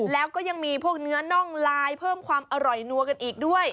แล้วก็ยังมีพวกเนื้อน่องลายเพิ่มความอร่อยนัวกันอีกด้วย